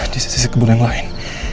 di sisi kebun yang lain